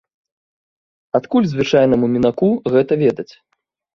Адкуль звычайнаму мінаку гэта ведаць?